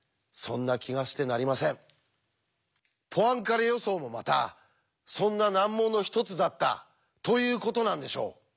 ポアンカレ予想もまたそんな難問の一つだったということなんでしょう。